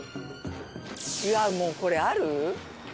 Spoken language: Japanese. いやもうこれある？